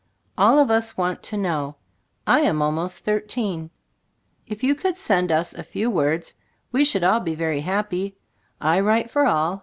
All of us want to know. I am almost thir teen. If you could send us a few words, we should all be very happy. I write for all.